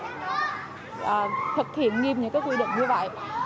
tại sao lại trường vẫn tiếp tục thực hiện nghiêm những quy định như vậy